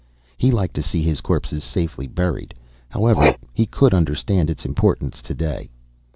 He liked to see his corpses safely buried. However he could understand its importance today.